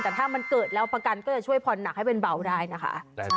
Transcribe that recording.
แต่ถ้ามันเกิดแล้วประกันก็จะช่วยผ่อนหนักให้เป็นเบาได้นะคะ